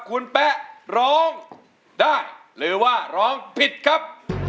คุณแป๊ะร้องได้หรือว่าร้องผิดครับ